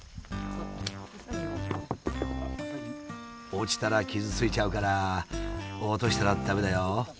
落ちたら傷ついちゃうから落としたら駄目だよ。